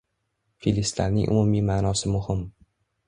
Filistlarning umumiy ma'nosi muhim.